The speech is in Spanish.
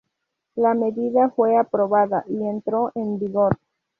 La medida fue aprobada y entró en vigor.